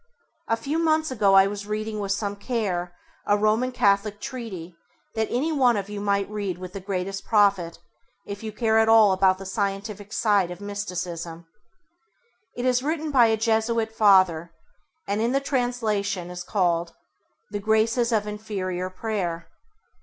A few months ago I was reading with some care a Roman Catholic treatise that any one of you might read with the greatest profit, if you care at all about the scientific side of Mysticism. It is written by a Jesuit father, and in the translation is called The Graces of Interior Prayer.